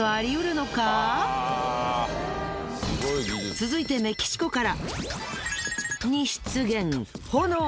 続いてメキシコから。